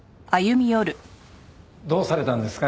どうされたんですか？